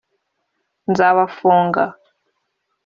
nzabafunga